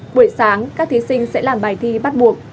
buổi sáng các thí sinh sẽ làm bài thi bắt buộc